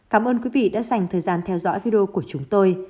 cảm ơn quý vị đã dành thời gian theo dõi video của chúng tôi